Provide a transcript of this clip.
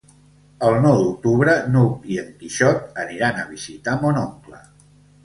El nou d'octubre n'Hug i en Quixot aniran a visitar mon oncle.